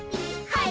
はい！